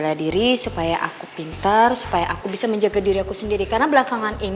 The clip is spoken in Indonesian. latihan hari ini selesai